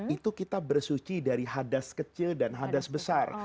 itu kita bersuci dari hadas kecil dan hadas besar